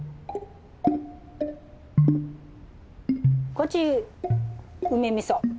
こっち梅みそ。